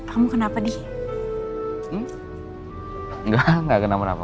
kamu kenapa di enggak enggak kenapa kenapa